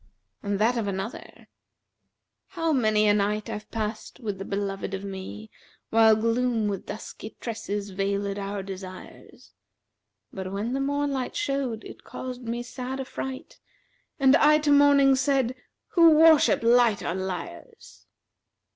And that of another, 'How many a night I've passed with the beloved of me, * While gloom with dusky tresses veilиd our desires: But when the morn light showed it caused me sad affright; * And I to Morning said, 'Who worship light are liars!'